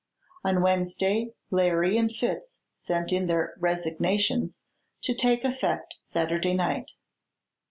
On Wednesday Larry and Fitz sent in their "resignations," to take effect Saturday night.